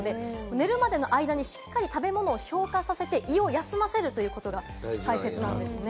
寝るまでの間にしっかりと食べ物を消化させて、胃を休ませることが大事なんですね。